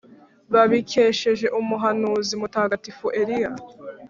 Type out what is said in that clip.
babikesheje umuhanuzi mutagatifu Eliya